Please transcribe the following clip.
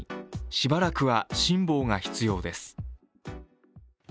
しばらくは辛抱が必要です。